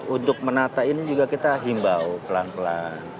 untuk menata ini juga kita himbau pelan pelan